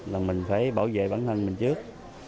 là mình phải bảo vệ bản thân mình trước